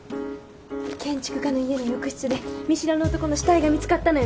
建築家の家の浴室で見知らぬ男の死体が見つかったのよね。